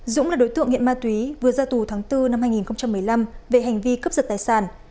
dũng là đối tượng nghiện ma túy vừa ra tù tháng bốn năm hai nghìn một mươi năm về hành vi cướp giật tài sản